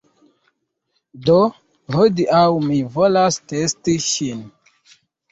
Do, hodiaŭ mi volas testi ŝin